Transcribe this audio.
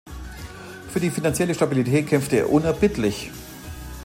Für die finanzielle Stabilität kämpfte er unerbittlich.